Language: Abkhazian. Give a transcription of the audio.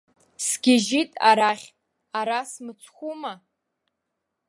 Сгьежьит арахь, ара смыцхәума.